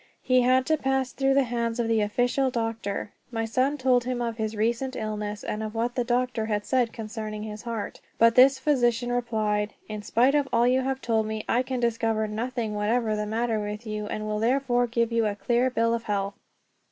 He had to pass through the hands of the official doctor. My son told him of his recent illness, and of what the doctor had said concerning his heart; but this physician replied: "In spite of all you have told me I can discover nothing whatever the matter with you, and will therefore give you a clear bill of health."